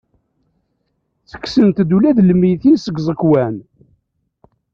Ttekksent-d ula d lmeyytin seg iẓekwan.